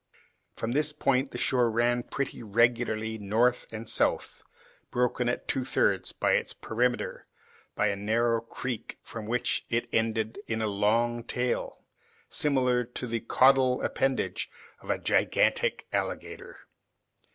From this point the shore ran pretty regularly north and south, broken at two thirds of its perimeter by a narrow creek, from which it ended in a long tail, similar to the caudal appendage of a gigantic alligator.